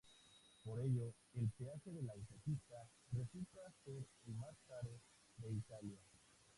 Por ello, el peaje de la autopista resulta ser el más caro de Italia.